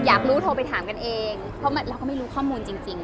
อยากรู้โทรไปถามกันเองเพราะเราก็ไม่รู้ข้อมูลจริง